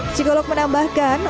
pertanyaan dari penulis